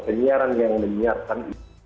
penyiaran yang menyiarkan